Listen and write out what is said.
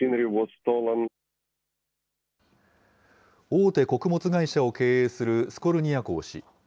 大手穀物会社を経営するスコルニヤコウ氏。